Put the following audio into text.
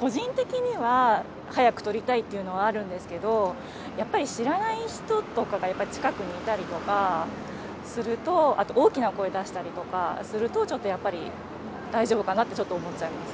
個人的には、早く取りたいっていうのはあるんですけど、やっぱり知らない人とかがやっぱり近くにいたりとかすると、あと大きな声出したりとかすると、ちょっとやっぱり、大丈夫かなってちょっと思っちゃいます。